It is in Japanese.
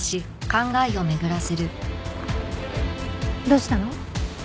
どうしたの？